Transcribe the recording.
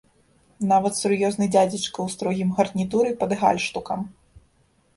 Нават сур'ёзны дзядзечка ў строгім гарнітуры пад гальштукам.